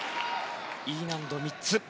Ｅ難度３つ。